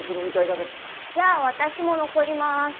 じゃあ私も残りまーす。